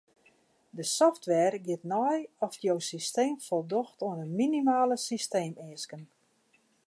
De software giet nei oft jo systeem foldocht oan de minimale systeemeasken.